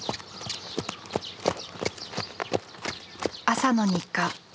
朝の日課。